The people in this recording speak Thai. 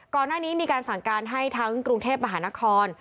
ก่อนหน้านี้มีการสั่งการให้ทั้งกรุงเทพมหานคร